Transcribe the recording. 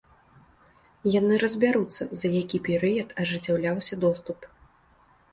Яны разбяруцца, за які перыяд ажыццяўляўся доступ.